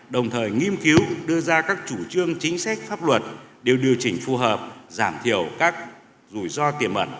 đồng thời nghiên cứu đưa ra các chủ trương chính sách pháp luật đều điều chỉnh phù hợp giảm thiểu các rủi ro tiềm ẩn